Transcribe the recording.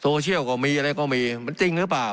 โซเชียลก็มีอะไรก็มีมันจริงหรือเปล่า